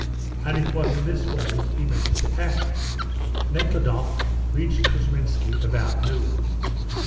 And it was in this way he meant to act. Nekhludoff reached Kousminski about noon.